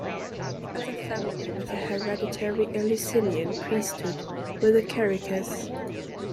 The other family with a hereditary Eleusinian priesthood were the Kerykes.